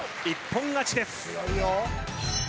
一本勝ちです